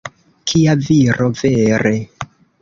Kia viro, vere!